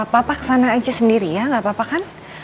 papa kesana aja sendiri ya nggak apa apa kan